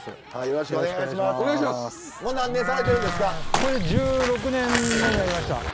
これ１６年目になりました。